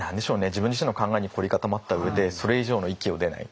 自分自身の考えに凝り固まった上でそれ以上の域を出ない。